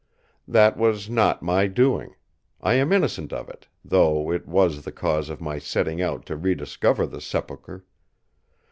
That was not my doing. I am innocent of it, though it was the cause of my setting out to rediscover the sepulchre.